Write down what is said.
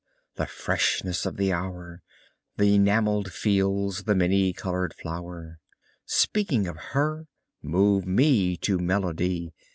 The freshness of the hour Th' enamell'd fields, the many coloured flower, Speaking of her, move me to melody.